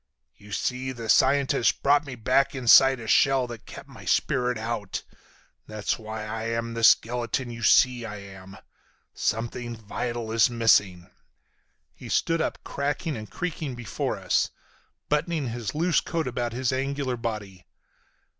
You see, the scientist brought me back inside a shell that kept my spirit out. That's why I'm the skeleton you see I am. Something vital is missing." He stood up cracking and creaking before us, buttoning his loose coat about his angular body.